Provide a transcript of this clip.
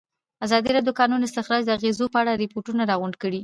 ازادي راډیو د د کانونو استخراج د اغېزو په اړه ریپوټونه راغونډ کړي.